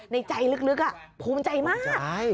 ในใจลึกภูมิใจมาก